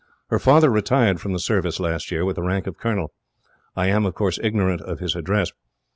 Her father retired from the Service last year, with the rank of colonel. I am, of course, ignorant of his address.